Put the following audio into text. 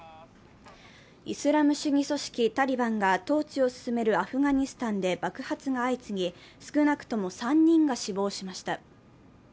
イスラム主義組織タリバンが統治を進めるアフガニスタンで爆発が相次ぎ、少なくとも３人が死亡しました。